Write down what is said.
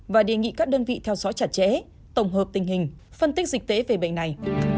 và đề nghị các đơn vị theo dõi chặt chẽ tổng hợp tình hình phân tích dịch tễ về bệnh này